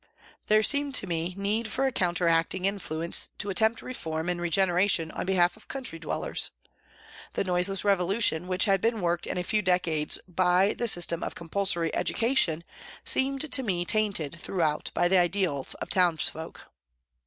There seemed to me need for a counteracting influence to attempt reform and regeneration on behalf of country dwellers. The noiseless revolution which had been worked in a few decades by the system of compulsory education seemed to me tainted throughout by the ideals of townsfolk.